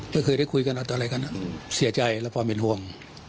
ไม่เคยได้คุยกันเอาอะไรกันเสียใจและความเป็นห่วง